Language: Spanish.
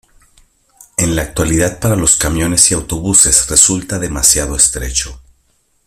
En la actualidad para los camiones y autobuses resulta demasiado estrecho.